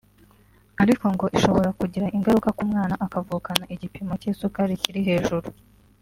ariko ngo ishobora kugira ingaruka ku mwana akavukana igipimo cy’isukari kiri hejuru